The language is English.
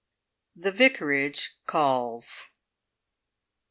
THE VICARAGE CALLS.